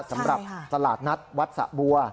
สำหรับตลาดนัดวัดสะบัว